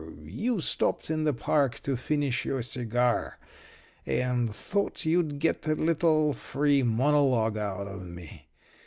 You stopped in the park to finish your cigar, and thought you'd get a little free monologue out of me.